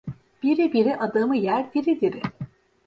Biribiri, adamı yer diri diri.